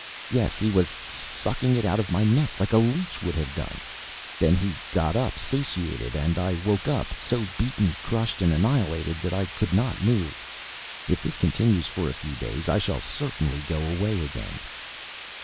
Yes, he was sucking it out of my neck, like a leech would have done. Then he got up, satiated, and I woke up, so beaten, crushed and annihilated that I could not move. If this continues for a few days, I shall certainly go away again.